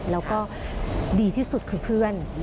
แล้วก็ดีที่สุดคือเพื่อน